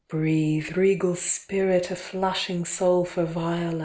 Breathe, Regal Spirit, a Flashing soul for Viola!